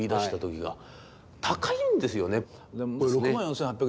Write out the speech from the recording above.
高いんですよね。